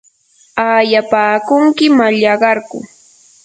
¿aayapaakunki mallaqarku?